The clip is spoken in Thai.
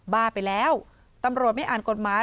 บ้าไปแล้วตำรวจไม่อ่านกฎหมาย